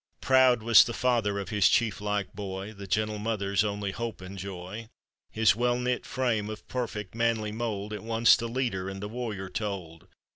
I'roud was the father of his chief like boy. The gentle mother's only hope and joy; His well knit frame of perfect, manly mold, At once the leader and the warrior told.